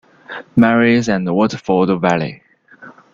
Mary's and Waterford Valley.